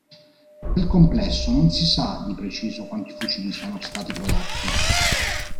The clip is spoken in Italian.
Nel complesso non si sa di preciso quanti fucili siano stati prodotti.